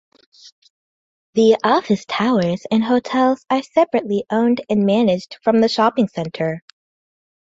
The office towers and hotels are separately owned and managed from the shopping center.